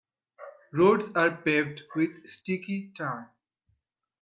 Roads are paved with sticky tar.